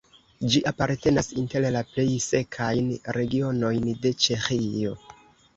Ĝi apartenas inter la plej sekajn regionojn de Ĉeĥio.